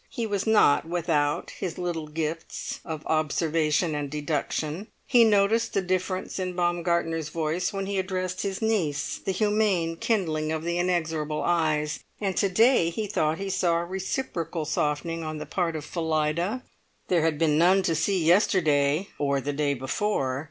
He was not without his little gifts of observation and deduction. He noticed the difference in Baumgartner's voice when he addressed his niece, the humane kindling of the inexorable eyes, and to day he thought he saw a reciprocal softening on the part of Phillida. There had been none to see yesterday or the day before.